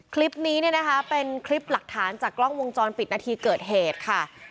คลิปนี้เนี่ยนะคะเป็นคลิปหลักฐานจากกล้องวงจรปิดนาทีเกิดเหตุค่ะ